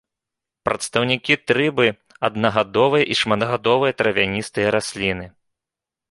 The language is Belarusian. Прадстаўнікі трыбы аднагадовыя і шматгадовыя травяністыя расліны.